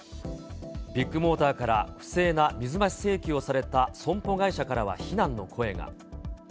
ビッグモーターから不正な水増し請求をされた損保会社からは非難の声が。